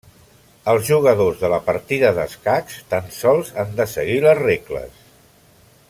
Els jugadors de la partida d'escacs tan sols han de seguir les regles.